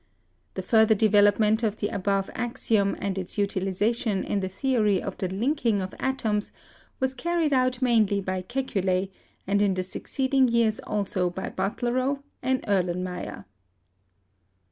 The further development of the above axiom and its utilization in the theory of the link ing of atoms was carried out mainly by Kekule, and in the succeeding years also by Butlerow and Erlenmeyer.